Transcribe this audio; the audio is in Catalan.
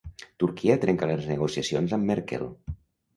Turquia trenca les negociacions amb Merkel